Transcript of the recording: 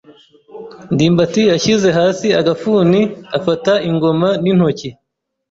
ndimbati yashyize hasi agafuni afata ingoma n'intoki.